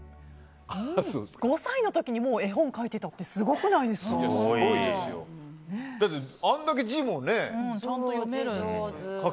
５歳の時に絵本書いてたってすごくないですか？